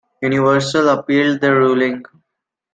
Universal appealed the ruling.